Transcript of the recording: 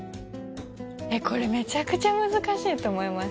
えっこれめちゃくちゃ難しいと思います